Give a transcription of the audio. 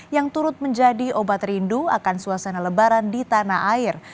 yang turut menjadi obat rindu akan suasana lebaran di tanah air